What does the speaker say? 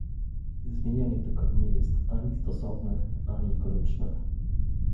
Zmienianie tego nie jest ani stosowne, ani konieczne